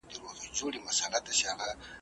ما پور غوښتی تا نور غوښتی `